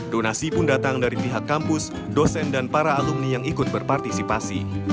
donasi pun datang dari pihak kampus dosen dan para alumni yang ikut berpartisipasi